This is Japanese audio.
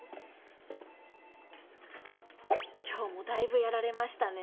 今日もだいぶやられましたね